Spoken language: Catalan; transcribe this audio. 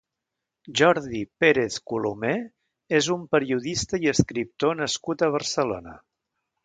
Jordi Pérez Colomé és un periodista i escriptor nascut a Barcelona.